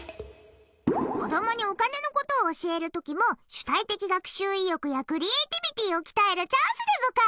子供にお金のことを教えるときも主体的学習意欲やクリエーティビティを鍛えるチャンスでブカ。